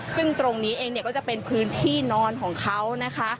ซึ่งตรงนี้เองเนี่ยก็จะเป็นพื้นที่นอนของเขานะคะ